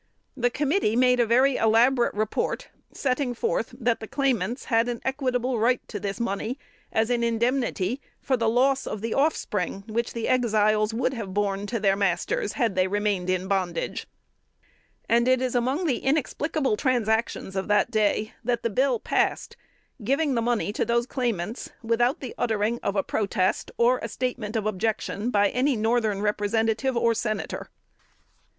The committee made a very elaborate report, setting forth that the claimants had an equitable right to this money as an indemnity "for the loss of the offspring which the Exiles would have borne to their masters had they remained in bondage," and it is among the inexplicable transactions of that day, that the bill passed, giving the money to those claimants without the uttering of a protest, or the statement of an objection, by any Northern representative or senator.